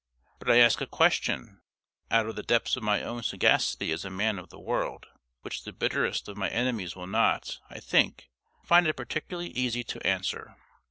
But I ask a question, out of the depths of my own sagacity as a man of the world, which the bitterest of my enemies will not, I think, find it particularly easy to answer.